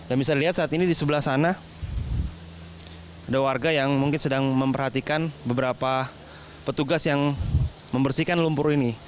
dan bisa dilihat saat ini di sebelah sana ada warga yang mungkin sedang memperhatikan beberapa petugas yang membersihkan lumpur ini